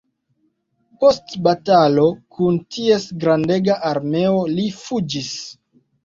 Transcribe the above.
Post batalo kun ties grandega armeo li fuĝis.